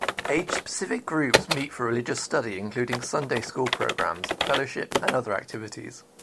Age-specific groups meet for religious study including Sunday school programs, fellowship, and other activities.